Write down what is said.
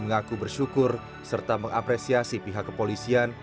mengaku bersyukur serta mengapresiasi pihak kepolisian